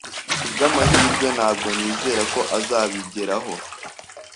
Kubwamahirwe, ntabwo nizera ko azabigeraho.